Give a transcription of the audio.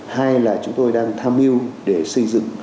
hai là chúng tôi đang tham mưu để xây dựng